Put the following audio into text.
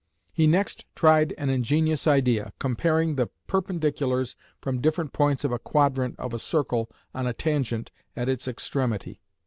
He next tried an ingenious idea, comparing the perpendiculars from different points of a quadrant of a circle on a tangent at its extremity.